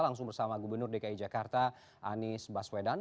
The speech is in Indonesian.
langsung bersama gubernur dki jakarta anies baswedan